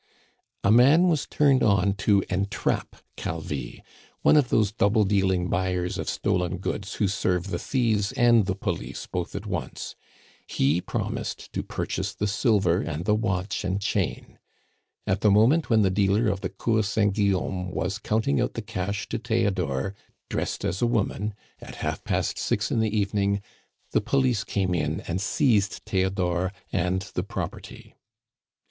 A man was turned on to entrap Calvi, one of those double dealing buyers of stolen goods who serve the thieves and the police both at once; he promised to purchase the silver and the watch and chain. At the moment when the dealer of the Cour Saint Guillaume was counting out the cash to Theodore, dressed as a woman, at half past six in the evening, the police came in and seized Theodore and the property.